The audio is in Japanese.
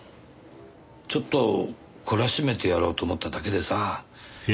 ちょっと懲らしめてやろうと思っただけでさあ。